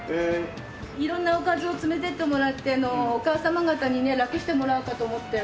色んなおかずを詰めていってもらってお母様方にねラクしてもらおうかと思って。